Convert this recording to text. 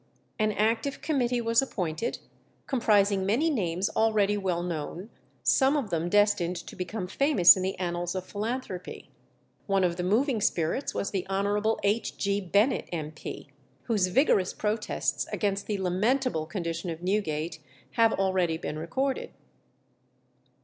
An active committee was appointed, comprising many names already well known, some of them destined to become famous in the annals of philanthropy. One of the moving spirits was the Honourable H. G. Bennet, M.P., whose vigorous protests against the lamentable condition of Newgate have already been recorded.